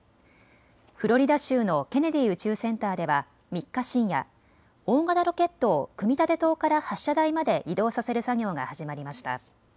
フロリダ州のケネディ宇宙センターでは３日深夜、大型ロケットを組み立て棟から発射台まで移動させる作業が始まりました。